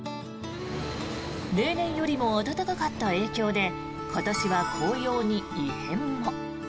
例年よりも暖かった影響で今年は紅葉に異変も。